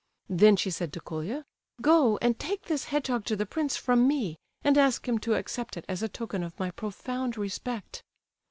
Then she said to Colia: "Go and take this hedgehog to the prince from me, and ask him to accept it as a token of my profound respect."